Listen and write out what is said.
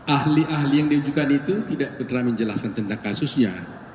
ahli ahli yang diujukan itu tidak berdrami jelasan tentang kasusnya